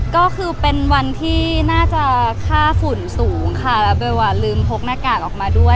ก็คือเป็นวันที่น่าจะค่าฝุ่นสูงค่ะแล้วเบลอ่ะลืมพกหน้ากากออกมาด้วย